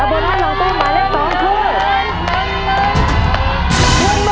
แล้วโบนัสหลังตู้หมายเลขสองคือ